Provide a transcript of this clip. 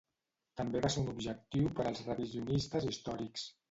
També va ser un objectiu per als revisionistes històrics.